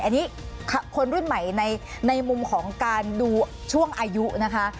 อันนี้คนรุ่นใหม่ในมุมของการดูช่วงอายุนะคะ